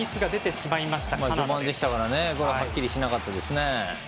序盤でしたからはっきりしなかったですね。